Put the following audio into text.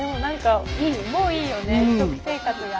もういいよね食生活が。